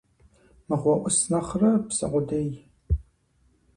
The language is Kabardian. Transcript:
Мыгъуэ Ӏус нэхърэ псы къудей.